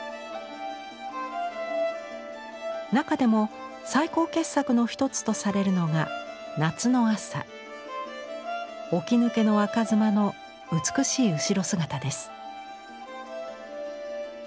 中でも最高傑作の一つとされるのが起き抜けの若妻の美しい後ろ姿です。